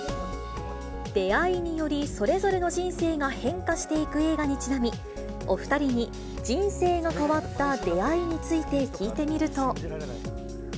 出会いにより、それぞれの人生が変化していく映画にちなみ、お２人に人生の変わった出会いについて聞いてみると。